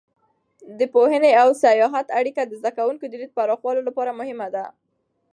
د پوهنې او سیاحت اړیکه د زده کوونکو د لید پراخولو لپاره مهمه ده.